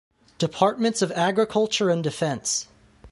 Departments of Agriculture and Defense.